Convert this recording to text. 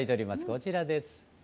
こちらです。